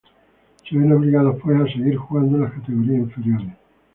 Se ven obligados pues a seguir jugando en las categorías inferiores.